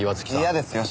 嫌ですよ。